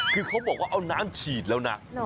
คือเขาบอกว่าเอาน้ำฉีดแล้วนะ